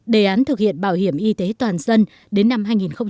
đề án thực hiện bảo hiểm y tế toàn dân đến năm hai nghìn hai mươi